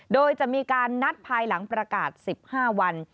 โดยจะมีการนัดภายหลังประกาศ๑๕วัน